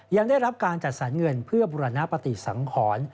ยังได้รับการจัดสรรเงินเพื่อบุรณปฏิสังขร